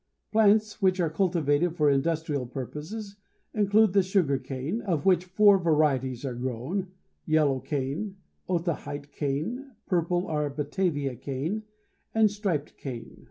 Plants which are cultivated for industrial purposes include the sugar cane, of which four varieties are grown yellow cane, Otaheite cane, purple or Batavia cane, and striped cane.